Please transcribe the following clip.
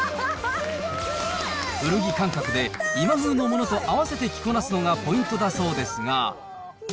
古着感覚で今風のものと合わせて着こなすのがポイントだそうですが。